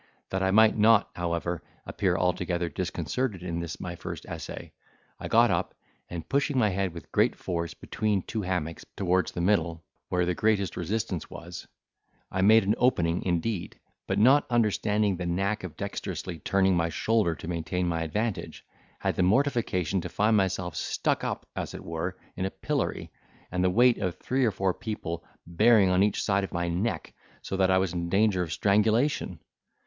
That I might not, however, appear altogether disconcerted in this my first essay, I got up, and, pushing my head with great force between two hammocks, towards the middle, where the greatest resistance was, I made an opening indeed, but, not understanding the knack of dexterously turning my shoulder to maintain my advantage, had the mortification to find myself stuck up, as it were, in a pillory, and the weight of three or four people bearing on each side of my neck, so that I was in danger of strangulation.